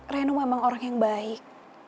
reno memang orang yang baik